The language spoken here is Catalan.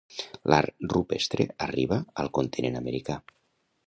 L'art rupestre arriba al continent americà.